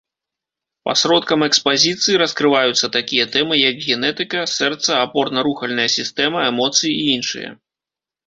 Пасродкам экспазіцыі раскрываюцца такія тэмы, як генетыка, сэрца, апорна-рухальная сістэма, эмоцыі і іншыя.